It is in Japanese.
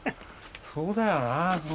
そうだよな。